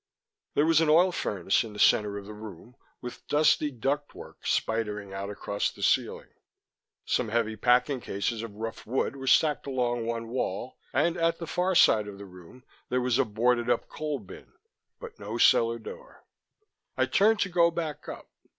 There was an oil furnace in the center of the room, with dusty duct work spidering out across the ceiling; some heavy packing cases of rough wood were stacked along one wall, and at the far side of the room, there was a boarded up coal bin but no cellar door. I turned to go back up.